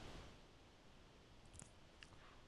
Sus habitantes, sádicos y crueles, se creen una raza superior.